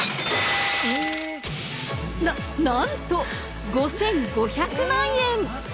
な、なんと、５５００万円！